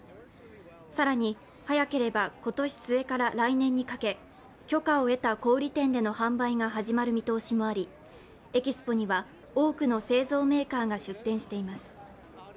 更に早ければ今年末から来年にかけ許可を得た小売店での販売が始まる見通しもありエキスポには多くの製造メーカーが出展しています。